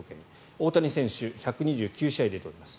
大谷選手、１２９試合出ております。